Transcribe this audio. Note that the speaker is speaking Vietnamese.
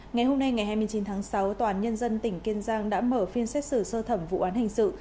ngày hôm nay ngày hai mươi chín tháng sáu toàn nhân dân tỉnh kiên giang đã mở phiên xét xử sơ thẩm vụ án hành sự